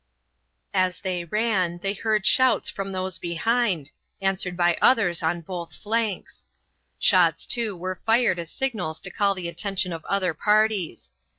As they ran they heard shouts from those behind, answered by others on both flanks. Shots, too, were fired as signals to call the attention of other parties.